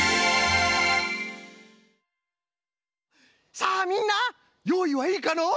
さあみんなよういはいいかの？